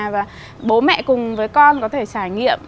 và bố mẹ cùng với con có thể trải nghiệm